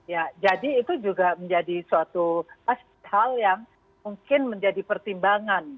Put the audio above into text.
ya jadi itu juga menjadi suatu hal yang mungkin menjadi pertimbangan